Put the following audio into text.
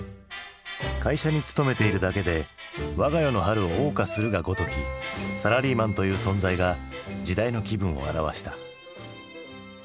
会社に勤めているだけで我が世の春をおう歌するがごときサラリーマンという存在が時代の気分を表した。